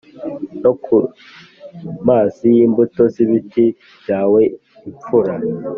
no ku mazi y imbuto z ibiti byawe Imfura